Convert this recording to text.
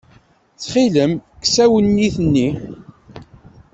Ttxilem, kkes awennit-nni.